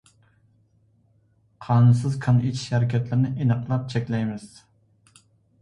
قانۇنسىز كان ئېچىش ھەرىكەتلىرىنى ئېنىقلاپ چەكلەيمىز.